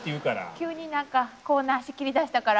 急になんかコーナー仕切りだしたから。